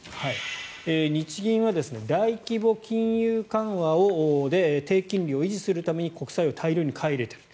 日銀は大規模金融緩和で低金利を維持するために国債を大量に買い入れている。